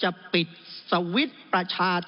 จึงฝากกลับเรียนเมื่อเรามีการแก้รัฐพาหารกันอีก